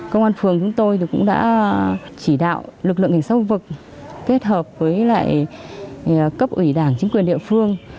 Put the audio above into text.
công an phường chúng tôi cũng đã chỉ đạo lực lượng hình sâu vực kết hợp với lại cấp ủy đảng chính quyền địa phương